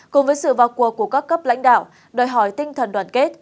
cùng với sự vào cuộc của các cấp lãnh đạo đòi hỏi tinh thần đoàn kết